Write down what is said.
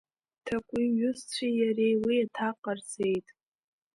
Ҭакәи иҩызцәеи иареи уи аҭак ҟарҵеит.